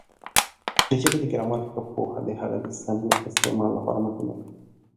د ژبې د ګرامر ښه پوهه د هغې د سمې استعمال لپاره مهمه ده.